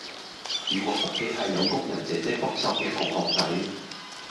如果屋企係有工人姐姐幫手嘅同學仔